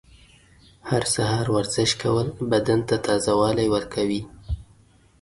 هر سهار ورزش کول بدن ته تازه والی ورکوي.